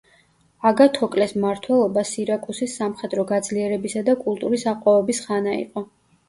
აგათოკლეს მმართველობა სირაკუსის სამხედრო გაძლიერებისა და კულტურის აყვავების ხანა იყო.